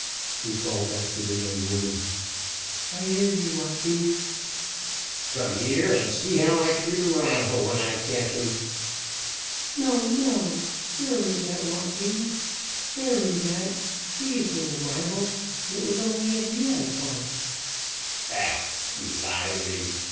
He called out to the young woman. "I hear you, Joaquin." "Come here and see how I treat a rival when I catch him." "No, no! Spare me that, Joaquin, spare me that! He is no rival; it was only of you I thought!" "Bah! you lie to me.